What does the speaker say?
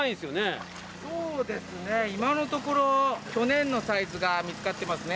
今のところ去年のサイズが見つかってますね。